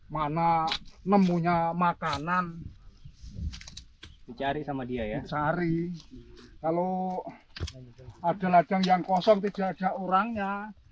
mana mempunyai makanan dicari sama dia ya sari kalau ada ladang yang kosong tidak ada orangnya